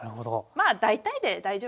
まあ大体で大丈夫です。